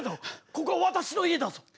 ここは私の家だぞ。